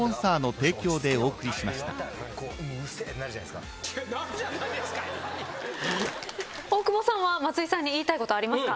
わかるぞ大久保さんは松井さんに言いたいことありますか？